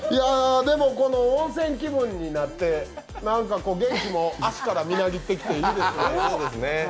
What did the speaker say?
でも温泉気分になって、元気も足からみなぎってきていいですね。